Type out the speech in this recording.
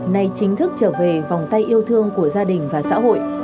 nay chính thức trở về vòng tay yêu thương của gia đình và xã hội